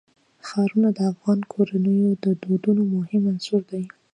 ښارونه د افغان کورنیو د دودونو مهم عنصر دی.